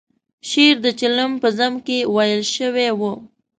شعر د چلم په ذم کې ویل شوی و.